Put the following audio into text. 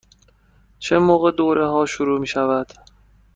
چه موقع دوره ها شروع می شود؟